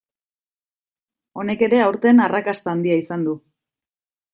Honek ere aurten arrakasta handia izan du.